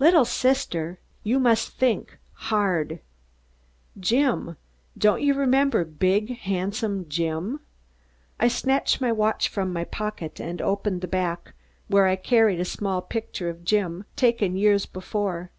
"Little sister. You must think hard. Jim. Don't you remember big handsome Jim?" I snatched my watch from my pocket and opened the back, where I carried a small picture of Jim, taken years before.